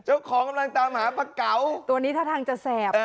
กำลังตามหาปลาเก๋าตัวนี้ท่าทางจะแสบ